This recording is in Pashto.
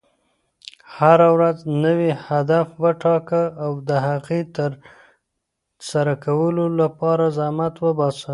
هره ورځ نوی هدف وټاکه، او د هغې د ترسره کولو لپاره زحمت وباسه.